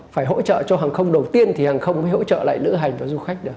phải hỗ trợ cho hàng không đầu tiên thì hàng không mới hỗ trợ lại lữ hành và du khách được